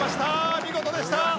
見事でした！